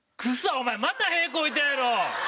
お前また屁こいたやろ？